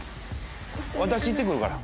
私行ってくるから。